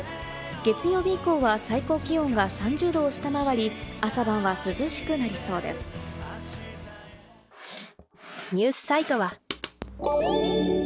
月曜日以降は最高気温が３０度を下回り、朝晩は涼しくなりそうで伊香保！